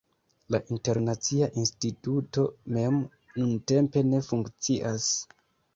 La Internacia Instituto mem nuntempe ne funkcias.